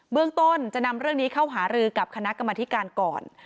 เรื่องต้นจะนำเรื่องนี้เข้าหารือกับคณะกรรมธิการก่อน